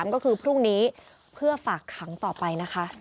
ก็คือพรุ่งนี้เพื่อฝากขังต่อไปนะคะ